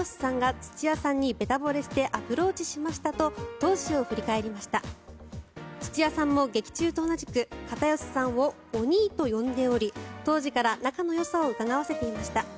土屋さんも劇中と同じく片寄さんをおにいと呼んでおり当時から仲のよさをうかがわせていました。